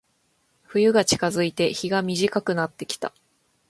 冬が近づいて、日が短くなってきた。